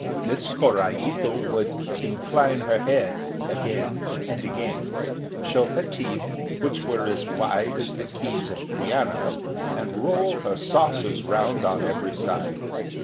Miss Korraito would incline her head again and again, show her teeth, which were as wide as the keys of a piano, and roll her saucers round on every side.